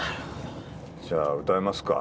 じゃあ歌いますか。